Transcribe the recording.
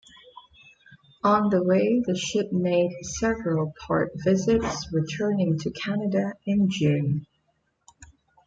On the way the ship made several port visits, returning to Canada in June.